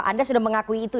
anda sudah mengakui itu